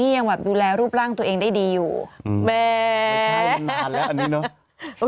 อย่างแบบยูแลรูปร่างตัวเองได้ดีอยู่